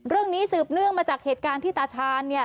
เรื่องนี้สืบเนื่องมาจากเหตุการณ์ที่ตาชาญเนี่ย